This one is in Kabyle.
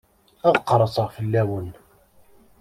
Ad qerseɣ fell-awen.